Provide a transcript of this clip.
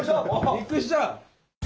びっくりした。